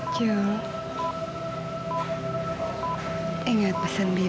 juli ingat pesan bibi